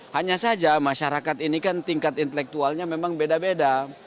hanya saja masyarakat ini kan tingkat intelektualnya memang beda beda